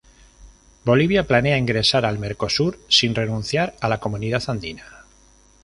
Bolivia planea ingresar al Mercosur sin renunciar a la Comunidad Andina.